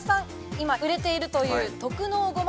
今売れているという特濃ごま